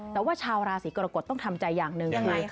แต่ว่าชาวราศีกรกฎต้องทำใจอย่างหนึ่งคือ